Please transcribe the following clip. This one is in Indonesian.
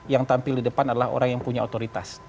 yang tampil di depan adalah orang yang punya otoritas